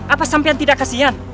apa sampean tidak kasihan